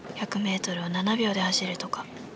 １００ｍを７秒で走るとか。